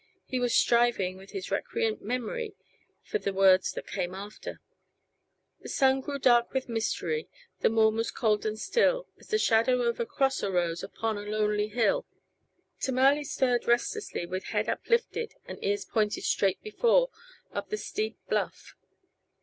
He was Striving with his recreant memory for the words that came after: "The sun grew dark with mystery, The morn was cold and still, As the shadow of a cross arose Upon a lonely hill." Tamale stirred restlessly with head uplifted and ears pointed straight before up the steep bluff.